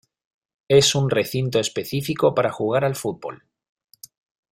Es un recinto específico para jugar al fútbol.